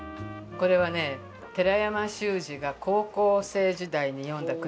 これはね寺山修司が高校生時代に詠んだ句なんです。